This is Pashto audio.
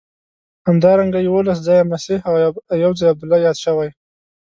همدارنګه یوولس ځایه مسیح او یو ځای عبدالله یاد شوی.